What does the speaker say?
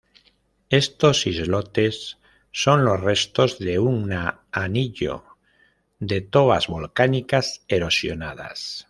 Estos islotes son los restos de una anillo de tobas volcánicas erosionadas.